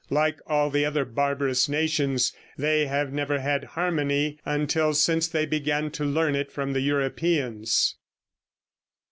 Like all the other barbarous nations, they have never had harmony until since they began to learn it from the Europeans.